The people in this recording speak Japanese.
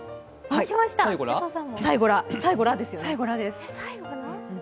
最後「ら」です。